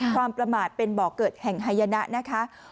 ความประมาทเป็นบ่อเกิดแห่งไฮยนะนะคะ